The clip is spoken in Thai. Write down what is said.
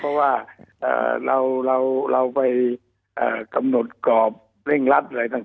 เพราะว่าเราไปกำหนดกรอบเร่งรัดอะไรต่าง